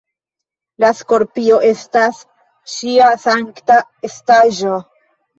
La skorpio estas ŝia sankta estaĵo.